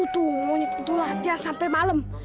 tunggu monyet itu latihan sampai malam